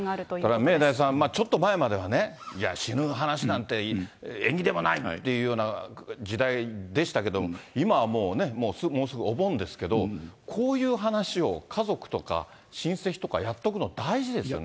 だから明大さん、ちょっと前まではね、いや、死ぬ話なんて縁起でもないっていうような時代でしたけど、今はもうね、もうすぐお盆ですけど、こういう話を家族とか親戚とかやっとくの大事ですよね。